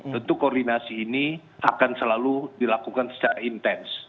tentu koordinasi ini akan selalu dilakukan secara intens